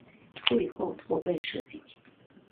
最后投奔杜弢。